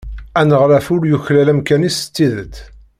Aneɣlaf ur yuklal amkan-is s tidet.